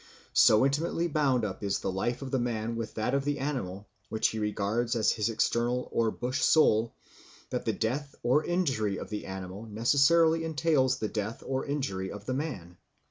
So intimately bound up is the life of the man with that of the animal which he regards as his external or bush soul, that the death or injury of the animal necessarily entails the death or injury of the man.